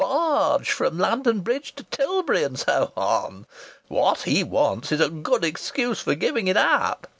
Barge from London Bridge to Tilbury, and so on! What he wants is a good excuse for giving it up.